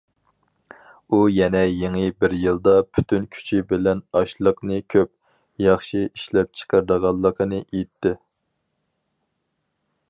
ئۇ يەنە يېڭى بىر يىلدا پۈتۈن كۈچى بىلەن ئاشلىقنى كۆپ، ياخشى ئىشلەپچىقىرىدىغانلىقىنى ئېيتتى.